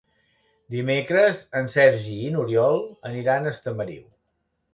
Dimecres en Sergi i n'Oriol aniran a Estamariu.